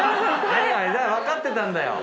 分かってたんだよ。